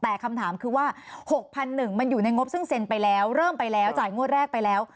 แต่คำถามคือว่า๖๑๐๐มันอยู่ในงบซึ่งเซ็นไปแล้วเริ่มไปแล้วจ่ายงวดแรกไปแล้ว